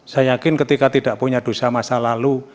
saya yakin ketika tidak punya dosa masa lalu